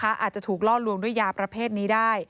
อาจจะถูกล่อลวงด้วยยาประเภทนี้ได้